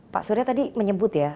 pak surya tadi menyebut ya